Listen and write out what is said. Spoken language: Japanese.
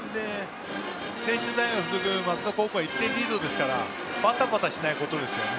専修大学付属松戸高校は１点リードですからばたばたしないことですね